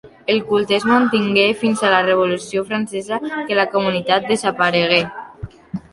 El culte es mantingué fins a la Revolució francesa, que la comunitat desaparegué.